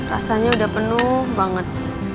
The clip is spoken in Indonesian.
rasanya udah penuh banget